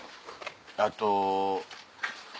あと。